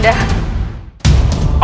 dia sangat kesakitan kandang